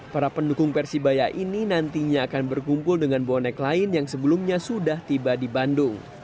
para pendukung persibaya ini nantinya akan berkumpul dengan bonek lain yang sebelumnya sudah tiba di bandung